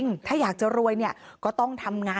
ก็เป็นเรื่องของความศรัทธาเป็นการสร้างขวัญและกำลังใจ